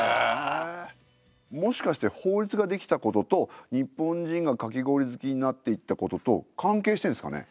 もしかして法律が出来たことと日本人がかき氷好きになっていったことと関係してるんですかね？